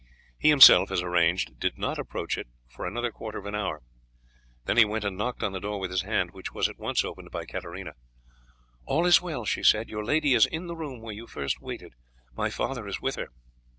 He himself, as arranged, did not approach it for another quarter of an hour, then he went and knocked on the door with his hand, which was at once opened by Katarina. "All is well," she said; "your lady is in the room where you first waited my father is with her."